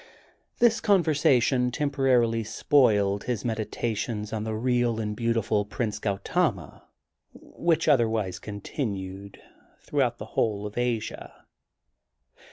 This conversation temporarily spoiled his meditations on the real and beau tiful Prince Gautama, which otherwise con tinued throughout the whole of Asia.